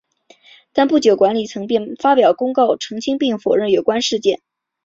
但不久管理层便发表公告澄清并否认有关事件。